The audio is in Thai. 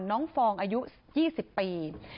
น้องฟองอายุ๒๐ปี